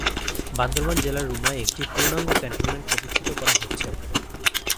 বান্দরবান জেলার রুমায় একটি পূর্ণাঙ্গ ক্যান্টনমেন্ট প্রতিষ্ঠিত করা হচ্ছে।